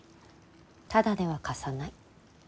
タダでは貸さない。